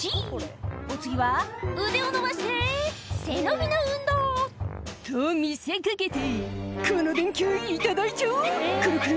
「お次は腕を伸ばして背伸びの運動」「と見せ掛けてこの電球頂いちゃおうクルクル」